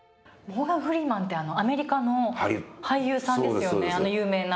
モーガン・フリーマンって、アメリカの俳優さんですよね、あの有名な。